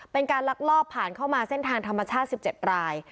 เป็นการลักลอบผ่านเข้ามาเส้นทางธรรมชาติ๑๗ราย